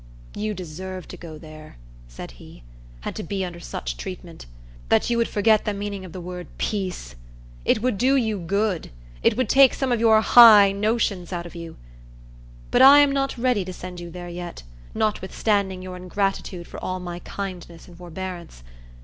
"You deserve to go there," said he, "and to be under such treatment, that you would forget the meaning of the word peace. It would do you good. It would take some of your high notions out of you. But I am not ready to send you there yet, notwithstanding your ingratitude for all my kindness and forbearance.